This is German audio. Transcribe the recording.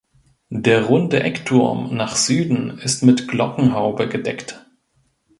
Der runde Eckturm nach Süden ist mit Glockenhaube gedeckt.